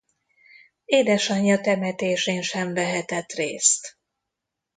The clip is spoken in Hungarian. Édesanyja temetésén sem vehetett részt.